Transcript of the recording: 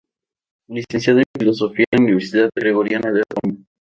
Licenciado en Filosofía en la Universidad Gregoriana de Roma.